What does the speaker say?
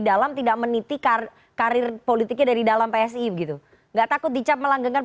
dalam tidak menitik karir karir politiknya dari dalam psi gitu nggak takut dicap melanggengkan